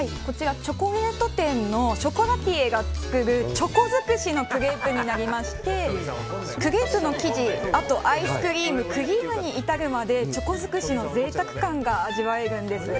チョコレート店のショコラティエが作るチョコ尽くしのクレープになりましてクレープの生地アイス、クリームに至るまでチョコ尽くしの贅沢感が味わえるんです。